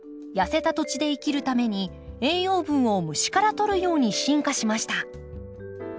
痩せた土地で生きるために栄養分を虫からとるように進化しました。